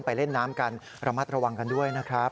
ไปเล่นน้ำกันระมัดระวังกันด้วยนะครับ